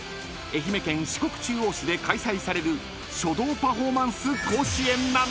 愛媛県四国中央市で開催される書道パフォーマンス甲子園なんです］